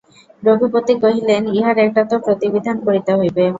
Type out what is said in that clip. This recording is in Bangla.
রঘুপতি কহিলেন, ইহার একটা তো প্রতিবিধান করিতে হইবে।